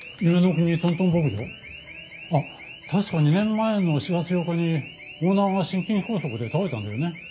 あっ確か２年前の４月８日にオーナーが心筋梗塞で倒れたんだよね。